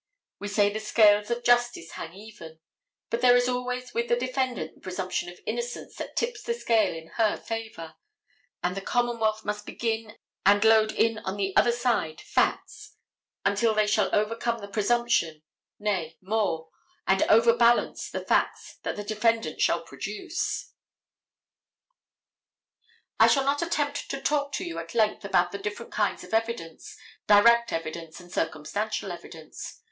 We say the scales of justice hang even, but there is always with the defendant the presumption of innocence that tips the scale in her favor, and the commonwealth must begin and load in on the other side facts until they shall overcome the presumption—nay, more, and overbalance the facts that the defendant shall produce. I shall not attempt to talk to you at length about the different kinds of evidence, direct evidence and circumstantial evidence.